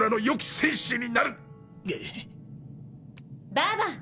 ババン！